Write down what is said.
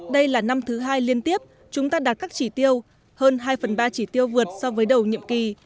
đây là năm thứ hai liên tiếp chúng ta đạt các chỉ tiêu hơn hai phần ba chỉ tiêu vượt so với đầu nhiệm kỳ